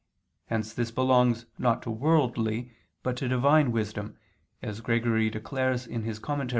Hence this belongs not to worldly but to Divine wisdom, as Gregory declares (Moral.